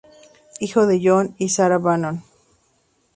Hijo de John y Sara Bannon.